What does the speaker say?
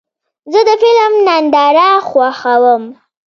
زه د فلم ننداره خوښوم.